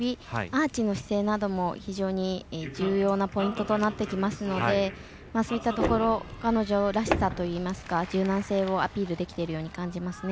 アーチの姿勢なども非常に重要なポイントとなってきますのでそういったところ彼女らしさといいますか柔軟性をアピールできているように感じます。